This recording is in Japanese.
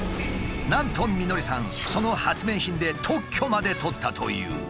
なんと美典さんその発明品で特許まで取ったという。